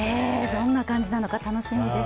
どんな感じなのか楽しみです。